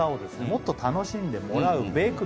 もっと楽しんでもらうべくですね